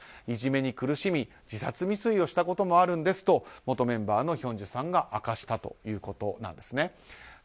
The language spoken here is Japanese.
いじめに苦しみ、自殺未遂をしたこともあるんですと元メンバーのヒョンジュさんが明かしたということなんです。